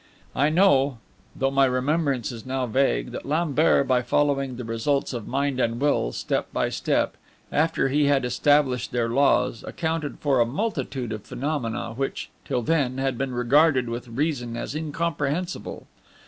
I know though my remembrance is now vague that Lambert, by following the results of Mind and Will step by step, after he had established their laws, accounted for a multitude of phenomena which, till then, had been regarded with reason as incomprehensible.